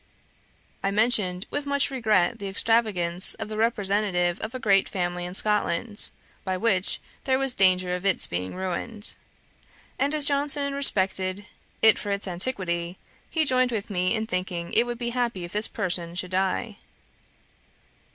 I mentioned with much regret the extravagance of the representative of a great family in Scotland, by which there was danger of its being ruined; and as Johnson respected it for its antiquity, he joined with me in thinking it would be happy if this person should die.